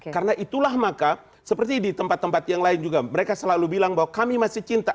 karena itulah maka seperti di tempat tempat yang lain juga mereka selalu bilang bahwa kami masih cinta